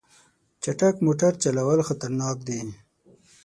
چټک موټر چلول خطرناک دي.